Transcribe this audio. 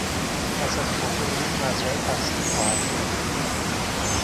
پس از فوت او مزرعه تقسیم خواهد شد.